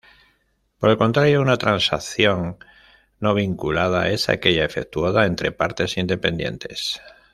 Por el contrario, una transacción no vinculada es aquella efectuada entre partes independientes.